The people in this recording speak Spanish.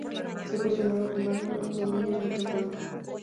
Se acostumbra comerlo los domingos muy temprano.